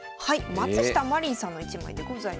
松下舞琳さんの一枚でございます。